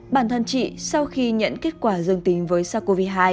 bản thân chị sau khi nhận kết quả dương tính với sars cov hai